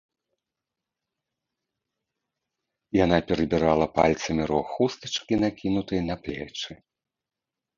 Яна перабірала пальцамі рог хустачкі, накінутай на плечы.